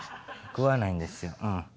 食わないんですよ。